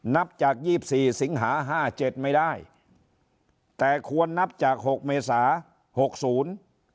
นับจากยี่สิบสี่สิงหาห้าเจ็ดไม่ได้แต่ควรนับจากหกเมษาหกศูนย์